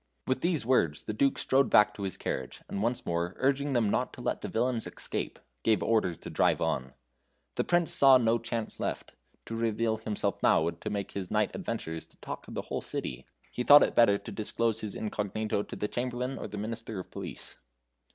With these words the Duke strode back to his carriage, and once more urging them not to let the villains escape, gave orders to drive on. The Prince saw no chance left. To reveal himself now would be to make his night's adventures the talk of the whole city. He thought it better to disclose his incognito to the Chamberlain or the Minister of Police.